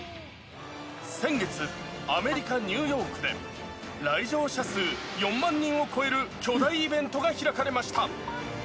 先月、アメリカ・ニューヨークで、来場者数４万人を超える巨大イベントが開かれました。